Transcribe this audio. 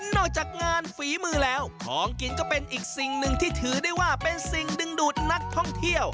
จากงานฝีมือแล้วของกินก็เป็นอีกสิ่งหนึ่งที่ถือได้ว่าเป็นสิ่งดึงดูดนักท่องเที่ยว